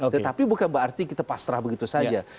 tetapi bukan berarti kita pasrah begitu saja